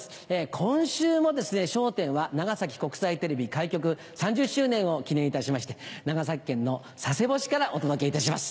今週もですね『笑点』は長崎国際テレビ開局３０周年を記念いたしまして長崎県の佐世保市からお届けいたします。